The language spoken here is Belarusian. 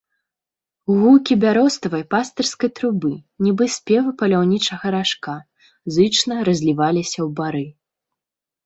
Гукі бяроставай пастырскай трубы, нібы спевы паляўнічага ражка, зычна разліваліся ў бары.